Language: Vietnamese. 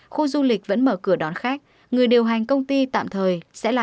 khu du lịch vẫn mở cửa đón khách người điều hành công ty tạm thời sẽ là